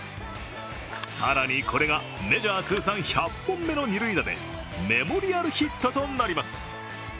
更に、これがメジャー通算１００本目の二塁打でメモリアルヒットとなります。